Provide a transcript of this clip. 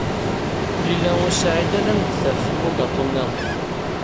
Lila u Saɛid ad am-d-taf abugaṭu niḍen.